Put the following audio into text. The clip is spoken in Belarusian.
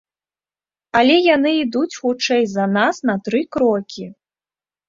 Але яны ідуць хутчэй за нас на тры крокі.